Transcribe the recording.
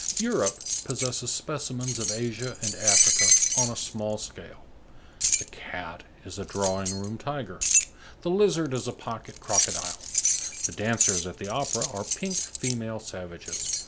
Europe possesses specimens of Asia and Africa on a small scale. The cat is a drawing room tiger, the lizard is a pocket crocodile. The dancers at the opera are pink female savages.